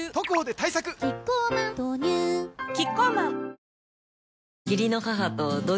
キッコーマン豆乳キッコーマン